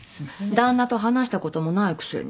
旦那と話したこともないくせに。